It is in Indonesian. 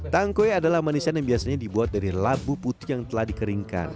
tangkwe adalah manisan yang biasanya dibuat dari labu putih yang telah dikeringkan